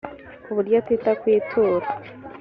ku buryo atita ku ituro